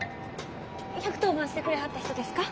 １１０番してくれはった人ですか？